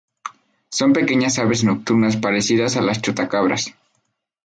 Son pequeñas aves nocturnas parecidas a los chotacabras.